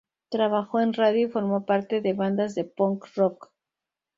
Trabajó en radio y formó parte de bandas de punk-rock.